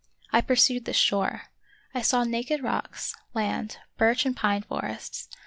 I pursued this shore. I saw naked rocks, land, birch and pine forests.